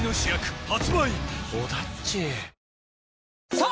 さあ